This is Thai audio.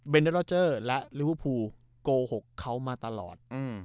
เบนเตอร์และลิวฟูโกหกเขามาตลอด